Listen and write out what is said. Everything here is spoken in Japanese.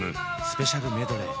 スペシャルメドレー